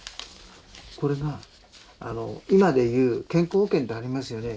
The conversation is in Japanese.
これが今で言う健康保険ってありますよね